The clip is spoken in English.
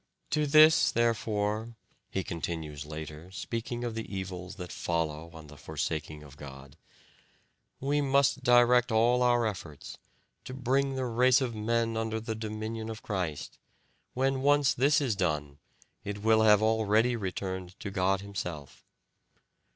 "To this, therefore," he continues later, speaking of the evils that follow on the forsaking of God, "must we direct all our efforts, to bring the race of men under the dominion of Christ; when once this is done, it will have already returned to God Himself.